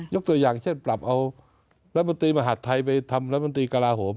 ตัวอย่างเช่นปรับเอารัฐมนตรีมหาดไทยไปทำรัฐมนตรีกระลาโหม